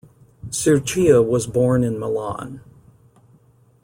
Sirchia was born in Milan.